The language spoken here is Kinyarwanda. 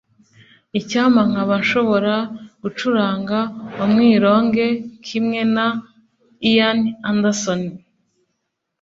icyampa nkaba nshobora gucuranga umwironge kimwe na ian anderson